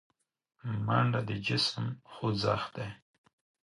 منډه د جسم خوځښت دی